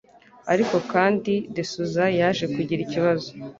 Ariko kandi De Souza yaje kugira ikibazo